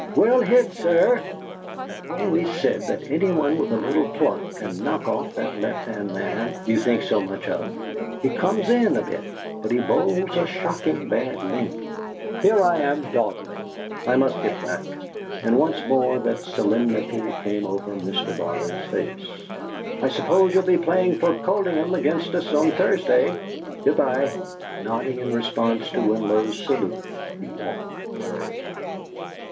"Well hit, sir! I've always said that anyone with a little pluck can knock off that lefthand man you think so much of. He 'comes in' a bit, but he bowls a shocking bad length. Here I am dawdling. I must get back!" And once more that real solemnity came over Mr. Barter's face. "I suppose you'll be playing for Coldingham against us on Thursday? Good bye!" Nodding in response to Winlow's salute, he walked away.